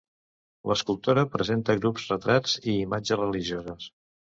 L'escultora presenta grups, retrats i imatges religioses.